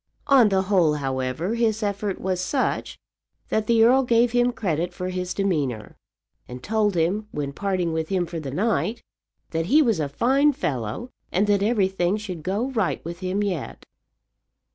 On the whole, however, his effort was such that the earl gave him credit for his demeanour, and told him when parting with him for the night that he was a fine fellow, and that everything should go right with him yet.